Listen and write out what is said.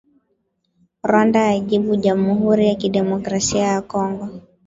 Rwanda yajibu Jamuhuri ya Kidemokrasia ya Kongo